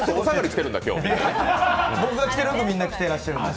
僕が着てるのをみんな着ていらっしゃるんです。